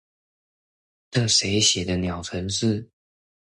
這誰寫的鳥程式